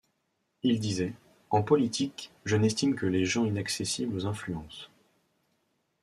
Il disait : En politique, je n’estime que les gens inaccessibles aux influences.